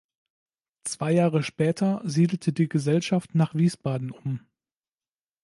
Zwei Jahre später siedelte die Gesellschaft nach Wiesbaden um.